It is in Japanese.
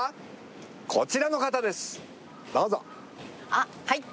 あっはい。